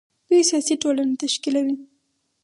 دوی سیاسي ټولنه تشکیلوي.